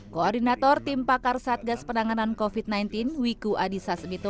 koordinator tim pakar satgas penanganan covid sembilan belas wiku adhisa semito